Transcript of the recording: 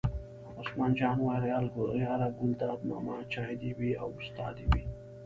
عثمان جان وویل: یار ګلداد ماما چای دې وي او ستا دې وي.